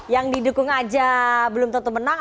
yang didukung aja belum tentu menang